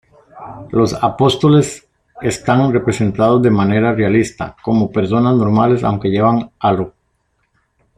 Los apóstoles están representados de manera realista, como personas normales aunque llevan halo.